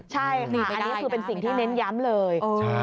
ใช่ค่ะอันนี้คือเป็นสิ่งที่เน้นย้ำเลย